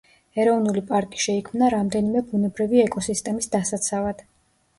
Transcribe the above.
ეროვნული პარკი შეიქმნა რამდენიმე ბუნებრივი ეკოსისტემის დასაცავად.